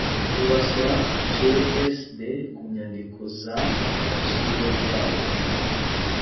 bubazwa csd ku nyandiko z agaciro zabo bwite